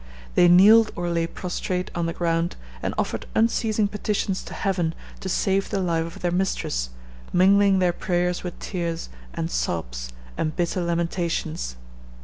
They kneeled or lay prostrate on the ground, and offered unceasing petitions to heaven to save the life of their mistress, mingling their prayers with tears, and sobs, and bitter lamentations.